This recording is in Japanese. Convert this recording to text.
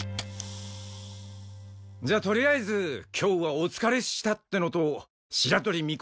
じゃあとりあえず今日はお疲れっしたってのと白鳥尊